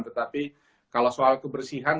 tetapi kalau soal kebersihan